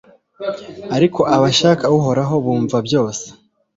ariko abashaka uhoraho bumva byose